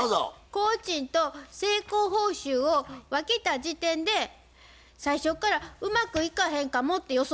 工賃と成功報酬を分けた時点で最初からうまくいかへんかもって予想してたんでしょ。